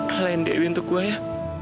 kalian dewi untuk gue ya